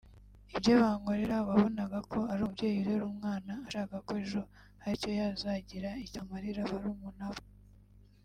Ibyo bankorera wabonaga ko ari umubyeyi urera umwana ashaka ko ejo hari icyo yazagira icyo amarira barumuna be